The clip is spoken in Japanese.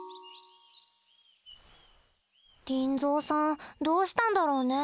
リンゾーさんどうしたんだろうね。